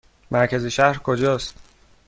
مرکز شهر کجا است؟